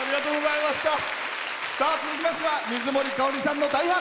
続きましては水森かおりさんの大ファン。